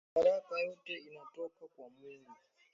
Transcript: Madaraka yote inatoka kwa Mungu